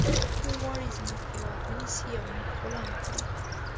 دوی غواړي زموږ هیواد ونیسي او موږ غلام کړي